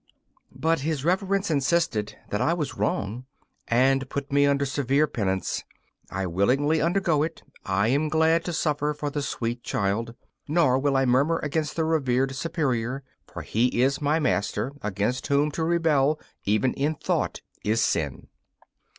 But His Reverence insisted that I was wrong, and put me under severe penance. I willingly undergo it: I am glad to suffer for the sweet child. Nor will I murmur against the revered Superior, for he is my master, against whom to rebel, even in thought, is sin.